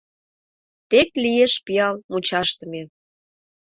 Тек лиеш пиал мучашдыме.